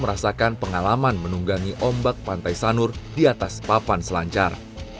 merasakan pengalaman menunggangi ombak pantai sanur di atas papan selancar